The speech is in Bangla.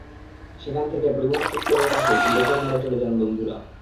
সেখান থেকে পরিবহন চত্বরের পাশে একটি লেকের ধারে চলে যান বন্ধুরা।